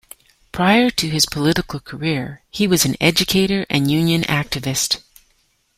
Prior to his political career, he was an educator and union activist.